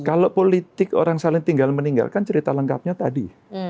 kalau politik orang saling tinggal meninggalkan cerita lengkapnya tadi